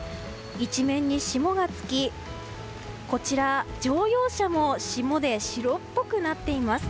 一面に霜がつき、乗用車も霜で白っぽくなっています。